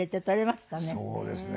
そうですね。